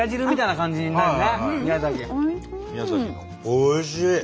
おいしい！